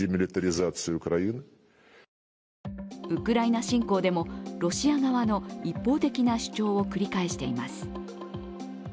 ウクライナ侵攻でも、ロシア側の一方的な主張を繰り返しています。